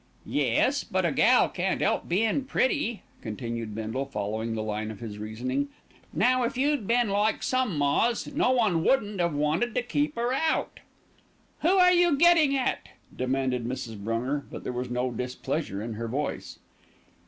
"Yes; but a gal can't 'elp bein' pretty," continued Bindle, following the line of his reasoning. "Now, if you'd been like some ma's, no one wouldn't 'ave wanted to keep 'er out." "Who are you getting at?" demanded Mrs. Brunger; but there was no displeasure in her voice.